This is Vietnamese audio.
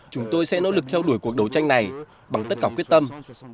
chúng tôi sẽ nỗ lực theo đuổi cuộc đấu tranh này bằng tất cả quyết tâm